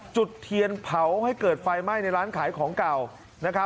จุดเทียนเผาให้เกิดไฟไหม้ในร้านขายของเก่านะครับ